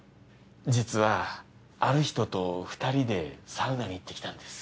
実はある人と２人でサウナに行ってきたんです。